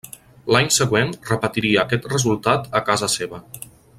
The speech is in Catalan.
L'any següent repetiria aquest resultat a casa seva.